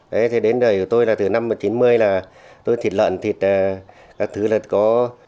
đấy thì đến đời của tôi là từ năm một nghìn chín mươi là tôi thịt lợn thịt các thứ là có